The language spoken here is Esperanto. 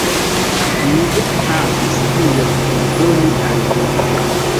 Mi ja havas ion por doni al vi